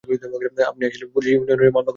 আপনি আসলেই পুলিশ ইউনিয়নের হয়ে মামলা করছেন।